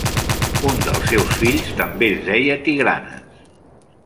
Un dels seus fills també es deia Tigranes.